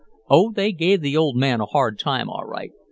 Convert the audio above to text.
"Oh, they gave the old man a hard time, all right.